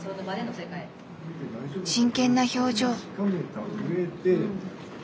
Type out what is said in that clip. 真剣な表情。